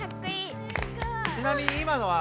ちなみに今のは？